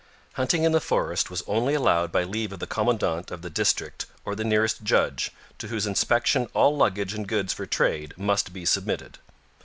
Hunting in the forest was only allowed by leave of the commandant of the district or the nearest judge, to whose inspection all luggage and goods for trade must be submitted.